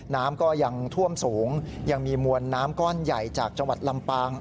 น้ำก็ยังท่วมสูงยังมีมวลน้ำก้อนใหญ่จากจังหวัดลำปาง